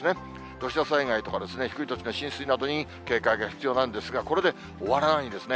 土砂災害とかですね、低い土地の浸水などに警戒が必要なんですが、これで終わらないんですね。